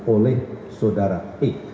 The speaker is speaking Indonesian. oleh saudara i